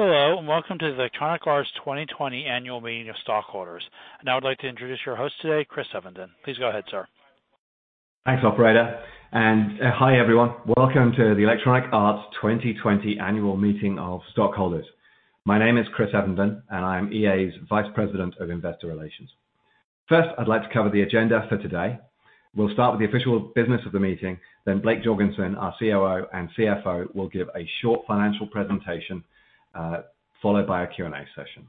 Hello, welcome to the Electronic Arts 2020 annual meeting of stockholders. I'd like to introduce your host today, Chris Evenden. Please go ahead, sir. Thanks, operator. Hi, everyone. Welcome to the Electronic Arts 2020 annual meeting of stockholders. My name is Chris Evenden, and I am EA's Vice President of Investor Relations. First, I'd like to cover the agenda for today. We'll start with the official business of the meeting, then Blake Jorgensen, our COO and CFO, will give a short financial presentation, followed by a Q&A session.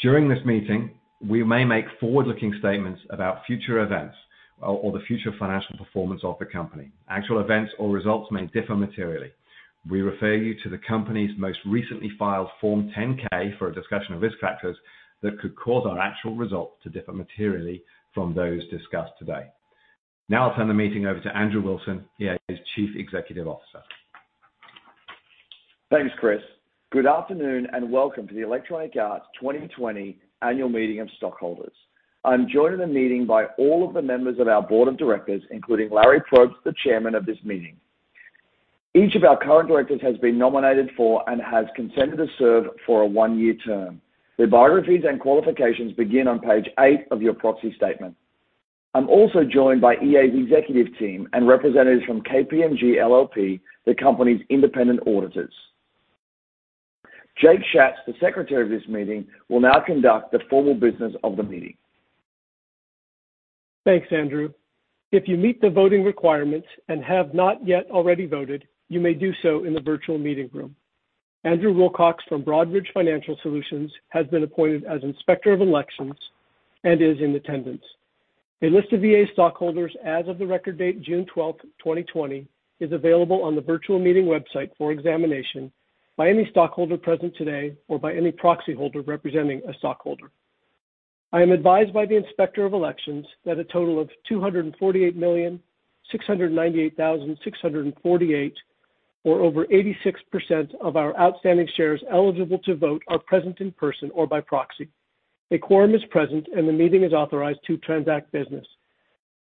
During this meeting, we may make forward-looking statements about future events or the future financial performance of the company. Actual events or results may differ materially. We refer you to the company's most recently filed Form 10-K for a discussion of risk factors that could cause our actual results to differ materially from those discussed today. Now I'll turn the meeting over to Andrew Wilson, EA's Chief Executive Officer. Thanks, Chris. Good afternoon, welcome to the Electronic Arts 2020 annual meeting of stockholders. I'm joined in the meeting by all of the members of our board of directors, including Larry Probst, the chairman of this meeting. Each of our current directors has been nominated for and has consented to serve for a one-year term. Their biographies and qualifications begin on page eight of your proxy statement. I'm also joined by EA's executive team and representatives from KPMG LLP, the company's independent auditors. Jake Schatz, the secretary of this meeting, will now conduct the formal business of the meeting. Thanks, Andrew. If you meet the voting requirements and have not yet already voted, you may do so in the virtual meeting room. Andrew Wilcox from Broadridge Financial Solutions has been appointed as Inspector of Elections and is in attendance. A list of EA stockholders as of the record date June 12th, 2020, is available on the virtual meeting website for examination by any stockholder present today or by any proxy holder representing a stockholder. I am advised by the Inspector of Elections that a total of 248,698,648, or over 86% of our outstanding shares eligible to vote, are present in person or by proxy. A quorum is present. The meeting is authorized to transact business.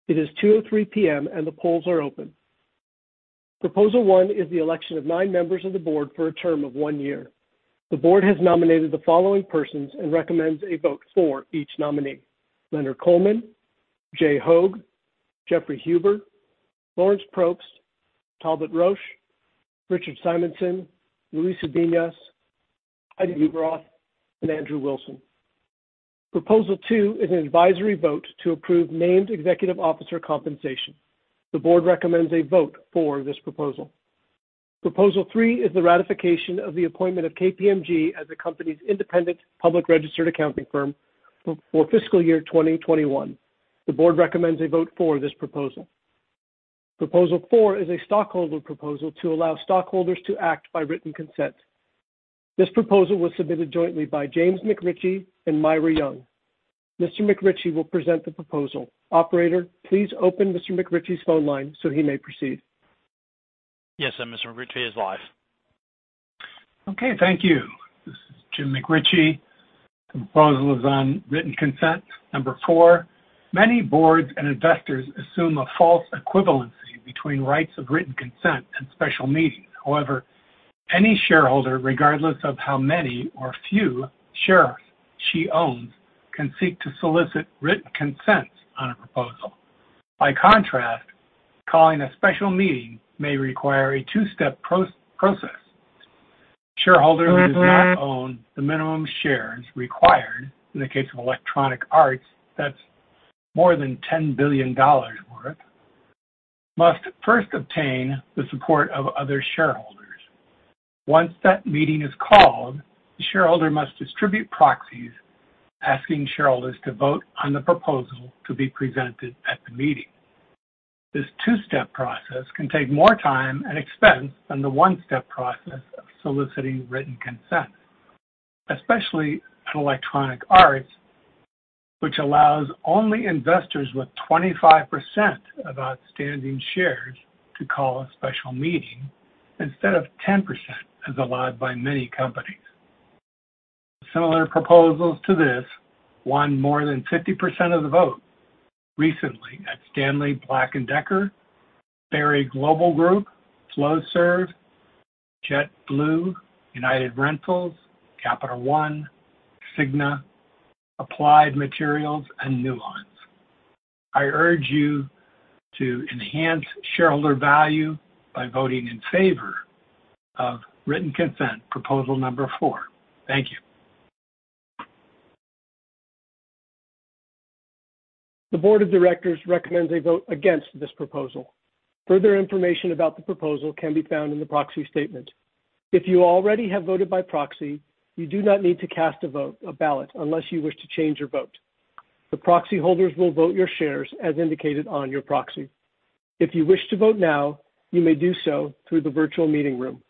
It is 2:03 P.M. The polls are open. Proposal one is the election of nine members of the board for a term of one year. The board has nominated the following persons and recommends a vote for each nominee: Leonard Coleman, Jay Hoag, Jeffrey Huber, Lawrence Probst, Talbott Roche, Richard Simonson, Luis Ubiñas, Heidi Ueberroth, and Andrew Wilson. Proposal two is an advisory vote to approve named executive officer compensation. The board recommends a vote for this proposal. Proposal three is the ratification of the appointment of KPMG as the company's independent public registered accounting firm for fiscal year 2021. The board recommends a vote for this proposal. Proposal four is a stockholder proposal to allow stockholders to act by written consent. This proposal was submitted jointly by James McRitchie and Myra Young. Mr. McRitchie will present the proposal. Operator, please open Mr. McRitchie's phone line so he may proceed. Yes, sir. Mr. McRitchie is live. Okay. Thank you. This is James McRitchie. The proposal is on written consent, number four. Many boards and investors assume a false equivalency between rights of written consent and special meetings. Any shareholder, regardless of how many or few shares she owns, can seek to solicit written consent on a proposal. Calling a special meeting may require a two-step process. A shareholder who does not own the minimum shares required, in the case of Electronic Arts, that's more than $10 billion worth, must first obtain the support of other shareholders. Once that meeting is called, the shareholder must distribute proxies asking shareholders to vote on the proposal to be presented at the meeting. This two-step process can take more time and expense than the one-step process of soliciting written consent, especially at Electronic Arts, which allows only investors with 25% of outstanding shares to call a special meeting instead of 10%, as allowed by many companies. Similar proposals to this won more than 50% of the vote recently at Stanley Black & Decker, Berry Global Group, Flowserve, JetBlue, United Rentals, Capital One, Cigna, Applied Materials, and Nuance. I urge you to enhance shareholder value by voting in favor of written consent proposal number four. Thank you. The board of directors recommends a vote against this proposal. Further information about the proposal can be found in the proxy statement. If you already have voted by proxy, you do not need to cast a ballot unless you wish to change your vote. The proxy holders will vote your shares as indicated on your proxy. If you wish to vote now, you may do so through the virtual meeting room.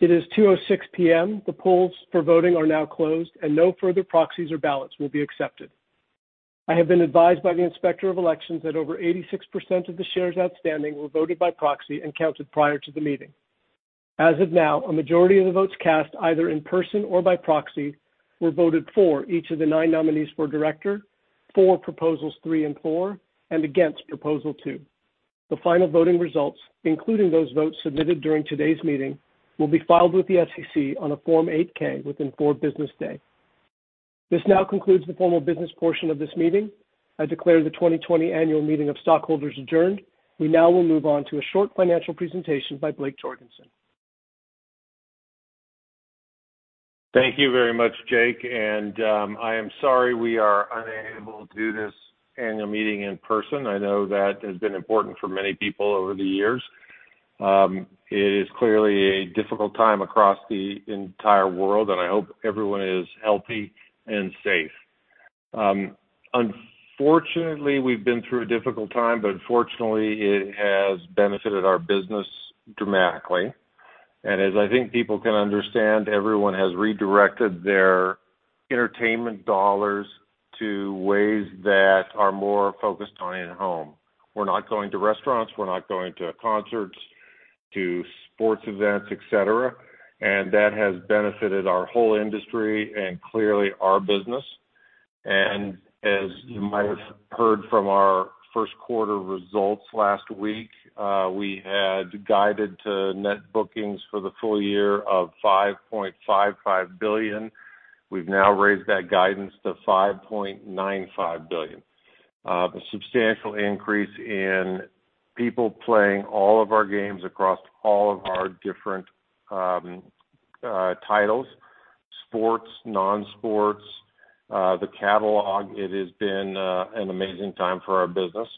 It is 2:06 P.M. The polls for voting are now closed, and no further proxies or ballots will be accepted. I have been advised by the Inspector of Elections that over 86% of the shares outstanding were voted by proxy and counted prior to the meeting. As of now, a majority of the votes cast, either in person or by proxy, were voted for each of the nine nominees for director, for proposals three and four, and against proposal two. The final voting results, including those votes submitted during today's meeting, will be filed with the SEC on a Form 8-K within four business days. This now concludes the formal business portion of this meeting. I declare the 2020 annual meeting of stockholders adjourned. We now will move on to a short financial presentation by Blake Jorgensen. Thank you very much, Jake. I am sorry we are unable to do this annual meeting in person. I know that has been important for many people over the years. It is clearly a difficult time across the entire world. I hope everyone is healthy and safe. Unfortunately, we've been through a difficult time. Fortunately, it has benefited our business dramatically. As I think people can understand, everyone has redirected their entertainment dollars to ways that are more focused on at home. We're not going to restaurants, we're not going to concerts, to sports events, et cetera. That has benefited our whole industry and clearly our business. As you might have heard from our first quarter results last week, we had guided to net bookings for the full year of $5.55 billion. We've now raised that guidance to $5.95 billion. A substantial increase in people playing all of our games across all of our different titles, sports, non-sports, the catalog. It has been an amazing time for our business.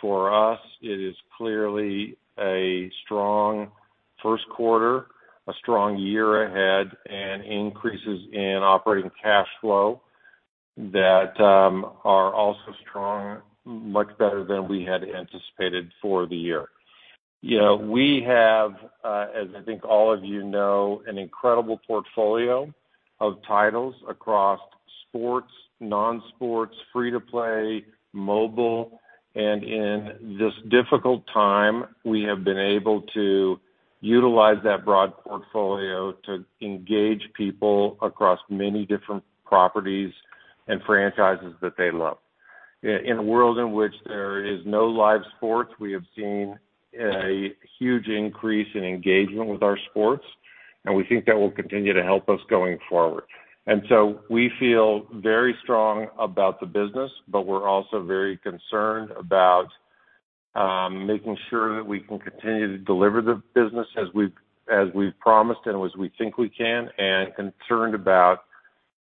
For us, it is clearly a strong first quarter, a strong year ahead, and increases in operating cash flow that are also strong, much better than we had anticipated for the year. We have, as I think all of you know, an incredible portfolio of titles across sports, non-sports, free-to-play, mobile. In this difficult time, we have been able to utilize that broad portfolio to engage people across many different properties and franchises that they love. In a world in which there is no live sports, we have seen a huge increase in engagement with our sports. We think that will continue to help us going forward. We feel very strong about the business, but we're also very concerned about making sure that we can continue to deliver the business as we've promised and as we think we can and concerned about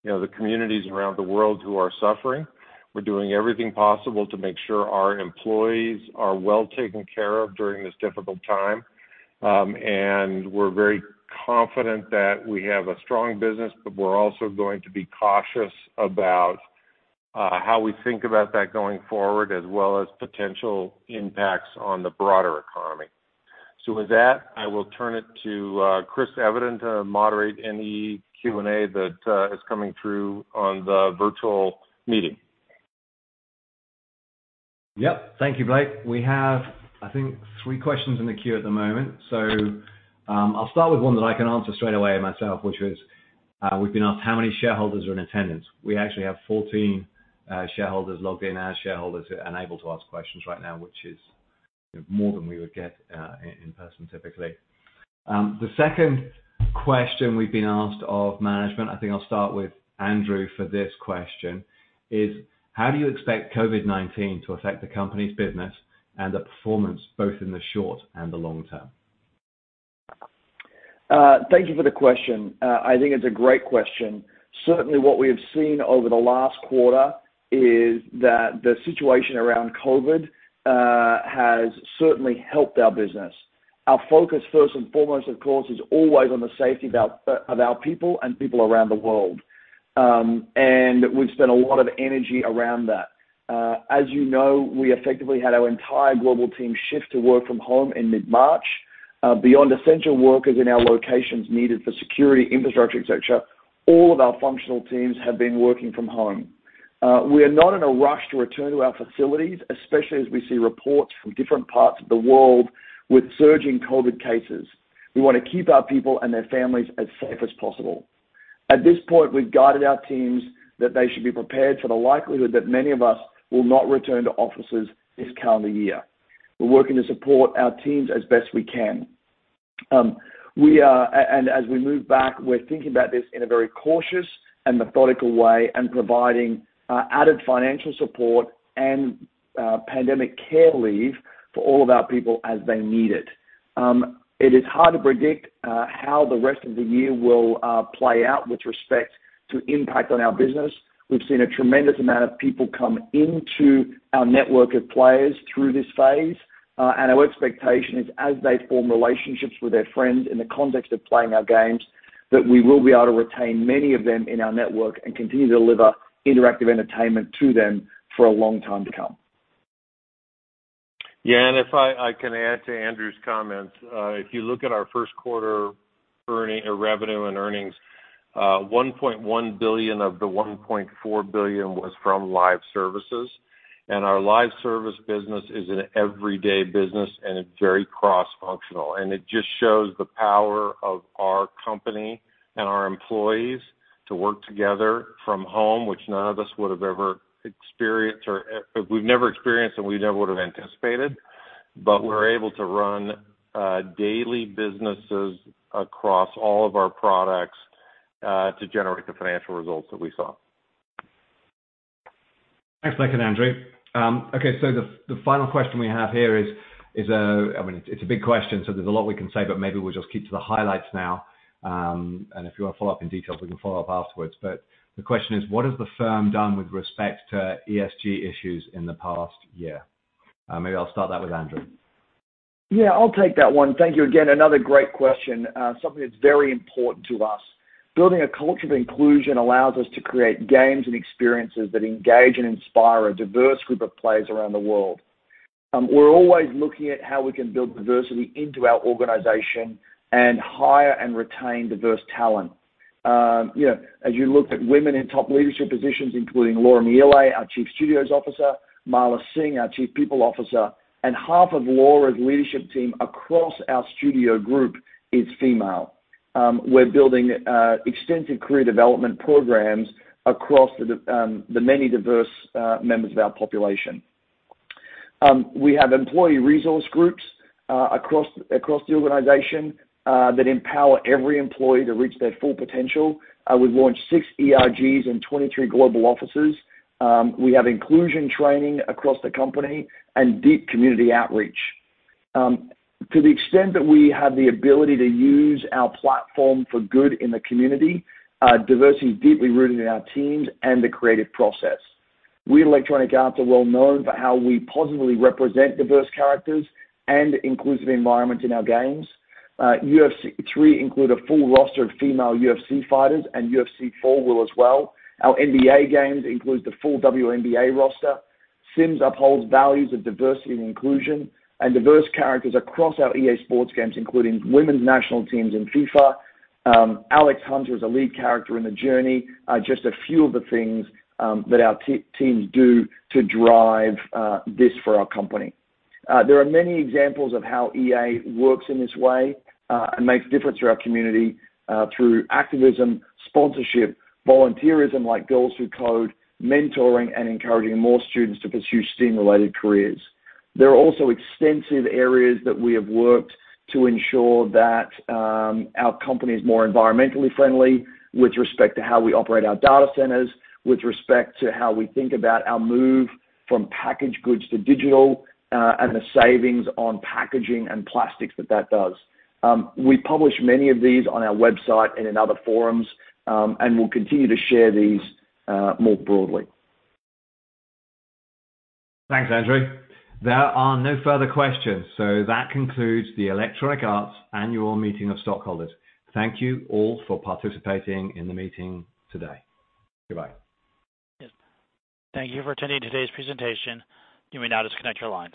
the communities around the world who are suffering. We're doing everything possible to make sure our employees are well taken care of during this difficult time. We're very confident that we have a strong business, but we're also going to be cautious about how we think about that going forward, as well as potential impacts on the broader economy. With that, I will turn it to Chris Evenden to moderate any Q&A that is coming through on the virtual meeting. Yep. Thank you, Blake. We have, I think, three questions in the queue at the moment. I'll start with one that I can answer straight away myself, which is we've been asked how many shareholders are in attendance. We actually have 14 shareholders logged in as shareholders and able to ask questions right now, which is more than we would get in person typically. The second question we've been asked of management, I think I'll start with Andrew for this question is how do you expect COVID-19 to affect the company's business and the performance both in the short and the long term? Thank you for the question. I think it's a great question. Certainly, what we have seen over the last quarter is that the situation around COVID has certainly helped our business. Our focus, first and foremost, of course, is always on the safety of our people and people around the world. We've spent a lot of energy around that. As you know, we effectively had our entire global team shift to work from home in mid-March. Beyond essential workers in our locations needed for security, infrastructure, et cetera, all of our functional teams have been working from home. We are not in a rush to return to our facilities, especially as we see reports from different parts of the world with surging COVID cases. We want to keep our people and their families as safe as possible. At this point, we've guided our teams that they should be prepared for the likelihood that many of us will not return to offices this calendar year. We're working to support our teams as best we can. As we move back, we're thinking about this in a very cautious and methodical way and providing added financial support and pandemic care leave for all of our people as they need it. It is hard to predict how the rest of the year will play out with respect to impact on our business. We've seen a tremendous amount of people come into our network of players through this phase. Our expectation is as they form relationships with their friends in the context of playing our games, that we will be able to retain many of them in our network and continue to deliver interactive entertainment to them for a long time to come. Yeah, if I can add to Andrew's comments, if you look at our first quarter revenue and earnings. $1.1 billion of the $1.4 billion was from live services. Our live service business is an everyday business and it's very cross-functional, and it just shows the power of our company and our employees to work together from home, which none of us would have ever experienced and we never would've anticipated. We're able to run daily businesses across all of our products to generate the financial results that we saw. Thanks, Blake and Andrew. Okay, the final question we have here is, it's a big question, so there's a lot we can say, but maybe we'll just keep to the highlights now. And if you want to follow up in details, we can follow up afterwards. But the question is, what has the firm done with respect to ESG issues in the past year? Maybe I'll start that with Andrew. Yeah, I'll take that one. Thank you. Again, another great question. Something that's very important to us. Building a culture of inclusion allows us to create games and experiences that engage and inspire a diverse group of players around the world. We're always looking at how we can build diversity into our organization and hire and retain diverse talent. As you looked at women in top leadership positions, including Laura Miele, our Chief Studios Officer, Mala Singh, our Chief People Officer, and half of Laura's leadership team across our studio group is female. We're building extensive career development programs across the many diverse members of our population. We have Employee Resource Groups across the organization that empower every employee to reach their full potential. We've launched six ERGs in 23 global offices. We have inclusion training across the company and deep community outreach. To the extent that we have the ability to use our platform for good in the community, diversity is deeply rooted in our teams and the creative process. We at Electronic Arts are well known for how we positively represent diverse characters and inclusive environments in our games. UFC 3 include a full roster of female UFC fighters, and UFC 4 will as well. Our NBA games includes the full WNBA roster. Sims upholds values of diversity and inclusion and diverse characters across our EA Sports games, including women's national teams in FIFA. Alex Hunter is a lead character in "The Journey," are just a few of the things that our teams do to drive this for our company. There are many examples of how EA works in this way, and makes a difference to our community, through activism, sponsorship, volunteerism, like Girls Who Code, mentoring and encouraging more students to pursue STEAM-related careers. There are also extensive areas that we have worked to ensure that our company is more environmentally friendly with respect to how we operate our data centers, with respect to how we think about our move from packaged goods to digital, and the savings on packaging and plastics that that does. We publish many of these on our website and in other forums, and will continue to share these more broadly. Thanks, Andrew. There are no further questions. That concludes the Electronic Arts annual meeting of stockholders. Thank you all for participating in the meeting today. Goodbye. Yes. Thank you for attending today's presentation. You may now disconnect your line.